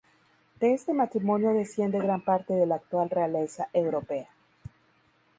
De este matrimonio desciende gran parte de la actual realeza europea.